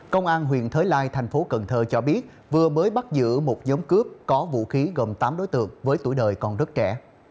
công an huyện thới lai thành phố cần thơ cho biết vừa mới bắt giữ một giống cướp có vũ khí gồm tám đối tượng với tuổi đời còn rất trẻ